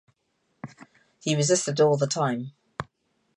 He resisted all the time.